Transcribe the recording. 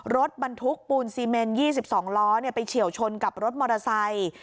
รถบรรทุกปูนซีเมน๒๒ล้อไปเฉียวชนกับรถมอเตอร์ไซค์